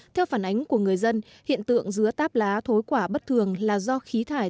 theo phản ánh của người dân hiện tượng dứa táp lá thối quả bất thường là do khí thải